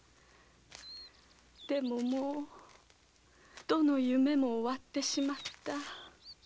でももうどの夢も終わってしまった。